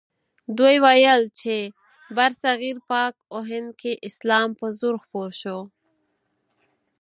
دوی ویل چې برصغیر پاک و هند کې اسلام په زور خپور شو.